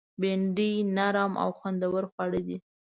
بېنډۍ نرم او خوندور خواړه دي